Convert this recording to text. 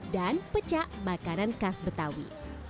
dan peca makanan khas betawi